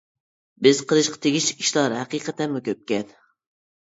بىز قىلىشقا تېگىشلىك ئىشلار ھەقىقەتەنمۇ كۆپكەن!